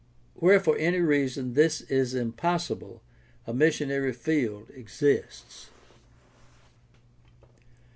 Where for any reason this is impossible a missionary field exists.